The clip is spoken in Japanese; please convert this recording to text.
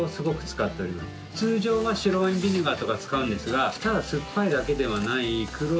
通常は白ワインビネガーとか使うんですがただ酸っぱいだけではない黒い